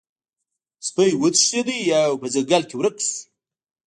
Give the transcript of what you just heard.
سپی وتښتید او په ځنګل کې ورک شو.